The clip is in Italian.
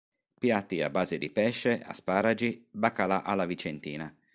Piatti a base di pesce, asparagi, baccalà alla vicentina.